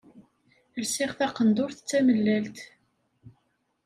Lsiɣ taqendurt d tamellalt.